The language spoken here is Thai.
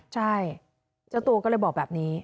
ใช่เจ้าตัวก็เลยบอกแบบนี้